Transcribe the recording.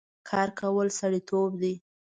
کار کول سړيتوب دی